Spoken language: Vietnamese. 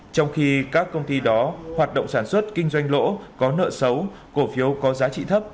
trong khi các công ty đó hoạt động sản xuất kinh doanh lỗ có nợ xấu cổ phiếu có giá trị thấp